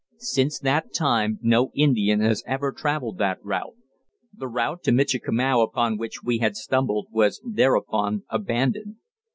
Since that time no Indian has ever travelled that trail the route to Michikamau upon which we had stumbled was thereupon abandoned.